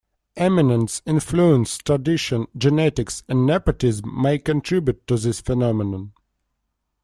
Eminence, influence, tradition, genetics, and nepotism may contribute to this phenomenon.